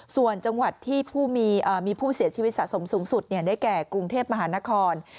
ส่วนจังหวัดที่มีผู้เสียชีวิตสะสมสูงสุดได้แก่กรุงเทพมหานคร